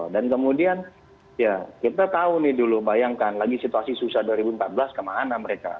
dan kemudian kita tahu dulu bayangkan lagi situasi susah dua ribu empat belas kemana mereka